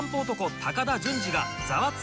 高田純次が『ザワつく！